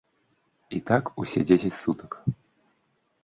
І так усе дзесяць сутак.